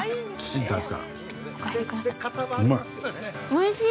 おいしい！